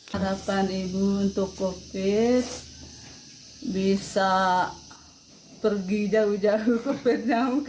harapan ibu untuk covid bisa pergi jauh jauh covid nya mungkin